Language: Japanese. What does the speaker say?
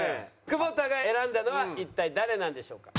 久保田が選んだのは一体誰なんでしょうか？